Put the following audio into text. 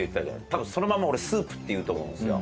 多分そのまま俺スープって言うと思うんですよ。